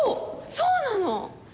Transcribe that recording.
そうなの。